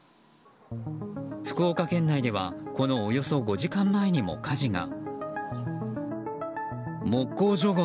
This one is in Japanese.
福岡県内ではこのおよそ５時間前にも火事が。